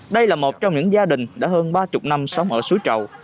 đây là một trong những gia đình đã hơn ba mươi năm sống ở suối trầu